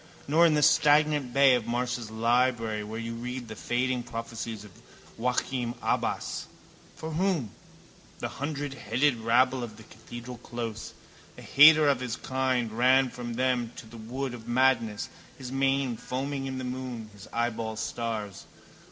Nor in the stagnant bay of Marsh's library where you read the fading prophecies of Joachim Abbas. For whom? The hundredheaded rabble of the cathedral close. A hater of his kind ran from them to the wood of madness, his mane foaming in the moon, his eyeballs stars.